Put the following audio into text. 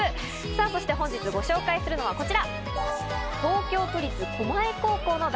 そして本日ご紹介するのはこちら！